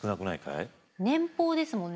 年俸ですもんね。